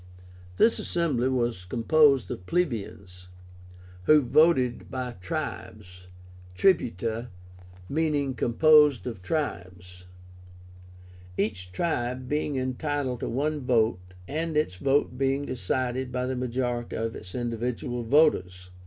This assembly was composed of plebeians, who voted by "tribes" (tributa, meaning composed of tribes), each tribe being entitled to one vote, and its vote being decided by the majority of its individual voters.